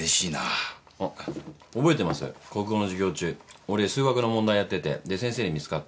国語の授業中俺数学の問題やっててで先生に見つかって。